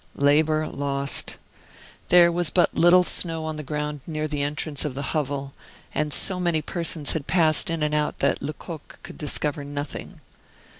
Labor lost. There was but little snow on the ground near the entrance of the hovel, and so many persons had passed in and out that Lecoq could discover nothing.